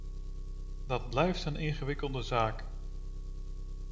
Dat blijft een ingewikkelde zaak.